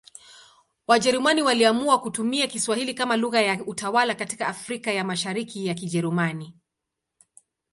Wajerumani waliamua kutumia Kiswahili kama lugha ya utawala katika Afrika ya Mashariki ya Kijerumani.